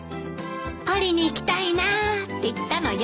パリに行きたいなーって言ったのよ。